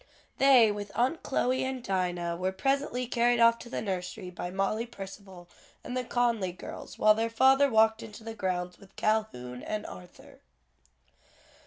They, with Aunt Chloe and Dinah, were presently carried off to the nursery by Molly Percival and the Conly girls, while their father walked into the grounds with Calhoun and Arthur.